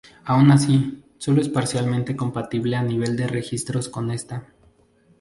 Aun así, sólo es parcialmente compatible a nivel de registros con esta.